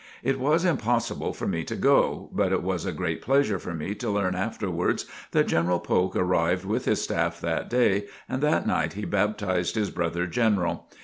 It was impossible for me to go, but it was a great pleasure for me to learn afterwards that General Polk arrived with his staff that day and that night he baptized his brother General.